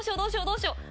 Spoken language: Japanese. どうしよう？